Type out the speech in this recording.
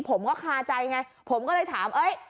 ผมก็คาใจไงผมก็เลยถามเอ้ย